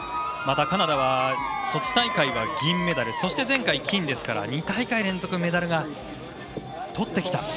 またカナダはソチ大会が銀メダルそして前回が金ですから２大会連続メダルをとってきた。